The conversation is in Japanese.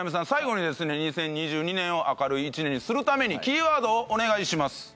最後にですね２０２２年を明るい１年にするためにキーワードをお願いします。